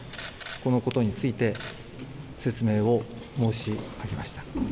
このことについて説明を申し上げました。